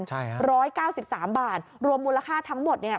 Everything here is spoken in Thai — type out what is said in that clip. ใช่ฮะร้อยเก้าสิบสามบาทรวมมูลค่าทั้งหมดเนี้ย